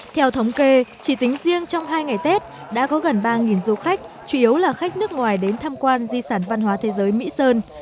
theo thống kê chỉ tính riêng trong hai ngày tết đã có gần ba du khách chủ yếu là khách nước ngoài đến tham quan di sản văn hóa thế giới mỹ sơn